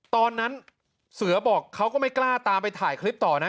ตอนนั้นเสือบอกเขาก็ไม่กล้าตามไปถ่ายคลิปต่อนะ